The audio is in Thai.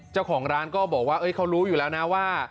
เจ้าของร้านก็บอกว่าเขารู้อยู่แล้วนะว่า